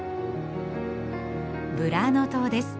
ブラーノ島です。